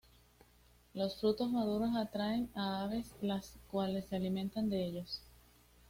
Los frutos maduros atraen a aves las cuales se alimentan de ellos.